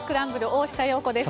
大下容子です。